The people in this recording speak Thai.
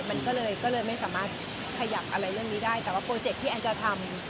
มันก็เลยไม่สามารถขยับอะไรเรื่องนี้ได้แต่ว่าโปรเจคที่แอนจะทำ